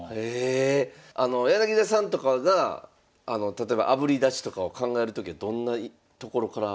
柳田さんとかが例えばあぶり出しとかを考えるときはどんなところから。